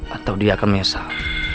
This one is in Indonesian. atau dia akan menyesal